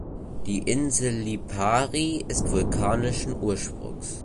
Die Insel Lipari ist vulkanischen Ursprungs.